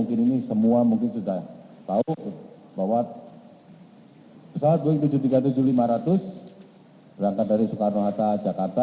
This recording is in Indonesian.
mungkin ini semua mungkin sudah tahu bahwa pesawat boeing tujuh ratus tiga puluh tujuh lima ratus berangkat dari soekarno hatta jakarta